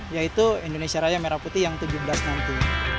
yaitu indonesia raya merah putih yang tujuh belas nanti